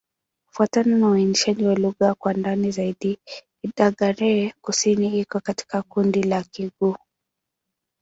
Kufuatana na uainishaji wa lugha kwa ndani zaidi, Kidagaare-Kusini iko katika kundi la Kigur.